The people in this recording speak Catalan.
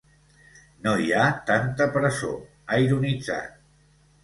No hi ha tanta presó, ha ironitzat.